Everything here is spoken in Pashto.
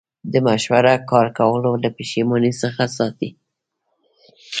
په مشوره کار کول له پښیمانۍ څخه ساتي.